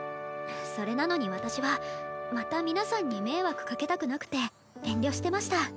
それなのに私はまた皆さんに迷惑かけたくなくて遠慮してました。